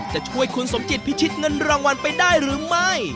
จะช่วยคุณสมจิตพิชิตเงินรางวัลไปได้หรือไม่